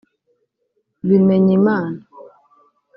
Bimenyimana